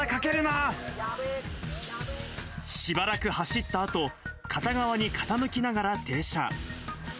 しばらく走ったあと、片側に傾きながら停車。